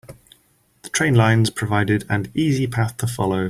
The train lines provided an easy path to follow.